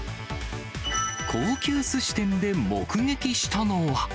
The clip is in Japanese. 高級すし店で目撃したのは。